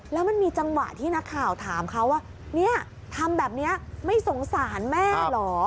แล้วมันมีจังหวะที่นักข่าวถามเขาว่าเนี่ยทำแบบนี้ไม่สงสารแม่เหรอ